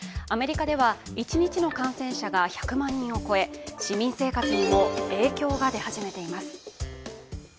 アメリカでは一日の感染者が１００万人を超え、市民生活にも影響が出始めています。